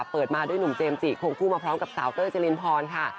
เปิดมาด้วยหนุ่มเจมส์จิควงคู่มาพร้อมกับสาวเต้ยเจรินพรค่ะ